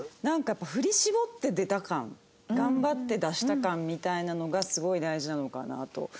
なんかやっぱ振り絞って出た感頑張って出した感みたいなのがすごい大事なのかなと。